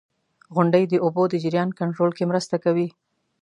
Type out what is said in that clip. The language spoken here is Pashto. • غونډۍ د اوبو د جریان کنټرول کې مرسته کوي.